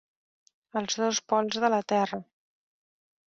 Els dos pols de la Terra.